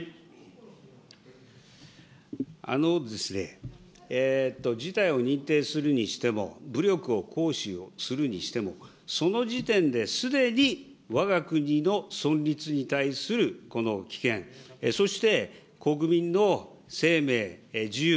あのですね、事態を認定するにしても、武力を行使をするにしても、その時点ですでに、わが国の存立に対するこの危険、そして、国民の生命、自由、